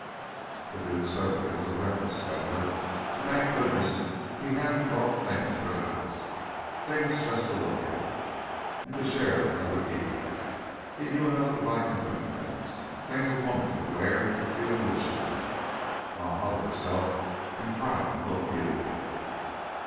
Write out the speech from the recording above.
The duke certainly was a reckless spender, but thank goodness he hadn't bought things for the house things just to look at and to share with other people! He knew enough to buy intimate things, things a woman could wear and feel rich in. Ma hugged herself and tried to look beautiful.